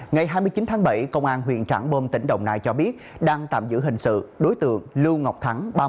ngày hai mươi chín tháng bảy công an huyện trảng bom tỉnh đồng nai cho biết đang tạm giữ hình sự đối tượng lưu ngọc thắng